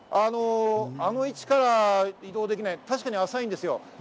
あの位置から移動できない、確かに浅いんですよ。